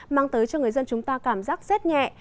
mang tới cho người dân chúng ta cảm giác rét nhẹ